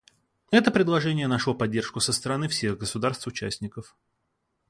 Это предложение нашло поддержку со стороны всех государств-участников.